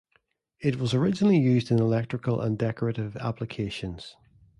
It was originally used in electrical and decorative applications.